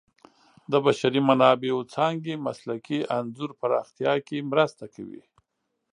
د بشري منابعو څانګې مسلکي انځور پراختیا کې مرسته کوي.